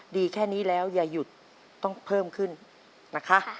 ดีแค่นี้แล้วอย่าหยุดต้องเพิ่มขึ้นนะคะ